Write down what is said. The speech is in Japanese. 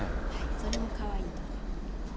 それもかわいいと思います。